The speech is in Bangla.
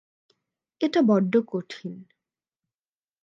এটা বড্ড কঠিন।